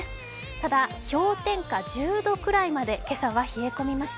ただ、氷点下１０度くらいまで今朝は冷え込みました。